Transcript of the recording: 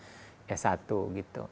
jadi biayanya sangat terjangkau